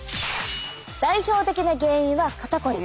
代表的な原因は肩こり。